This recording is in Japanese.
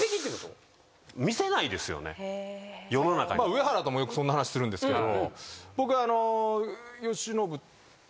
上原ともよくそんな話するんですけど。